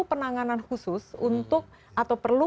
penanganan khusus untuk atau perlu